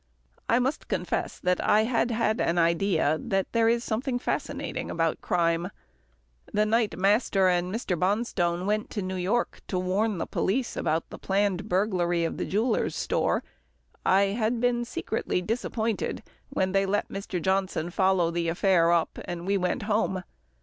I must confess that I had had an idea that there is something fascinating about crime. The night master and Mr. Bonstone went to New York to warn the police about the planned burglary of the jeweller's store, I had been secretly disappointed when they let Mr. Johnson follow the affair up, and we went home.